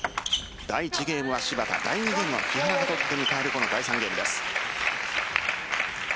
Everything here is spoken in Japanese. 第１ゲームは芝田第２ゲームは木原が取って迎える第３ゲームです。